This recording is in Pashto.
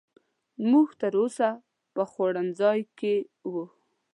موږ تر اوسه په خوړنځای کې وو.